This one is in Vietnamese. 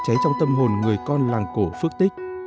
cháy trong tâm hồn người con làng cổ phước tích